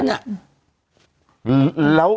โอ้โห